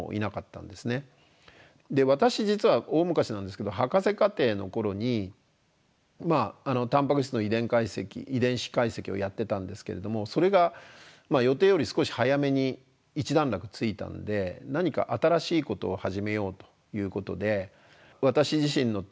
私実は大昔なんですけど博士課程の頃にタンパク質の遺伝解析遺伝子解析をやってたんですけれどもそれが予定より少し早めに一段落ついたので何か新しいことを始めようということで私自身のアイデアでですね